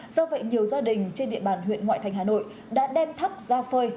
do vậy nhiều gia đình trên địa bàn huyện ngoại thành hà nội đã đem thắp ra phơi